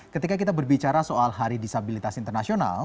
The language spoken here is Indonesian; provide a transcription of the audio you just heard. ketika kita berbicara soal hari disabilitas internasional